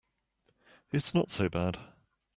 It's not so bad.